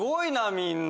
みんな。